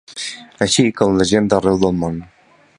Així com la gent d’arreu del món.